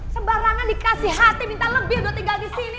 sebarangnya dikasih hati minta lebih buat tinggal disini